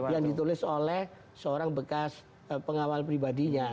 yang ditulis oleh seorang bekas pengawal pribadinya